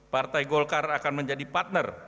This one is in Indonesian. partai golkar akan menjadi partner